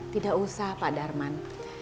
tidak usah pak darman